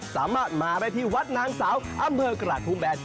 สามารถมาได้ที่วัดนางสาวอำเภอกระทุ่มแบน